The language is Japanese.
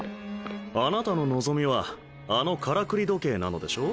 あなたの望みはあのからくり時計なのでしょう？